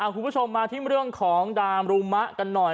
คุณผู้ชมมาที่เรื่องของดามรุมะกันหน่อย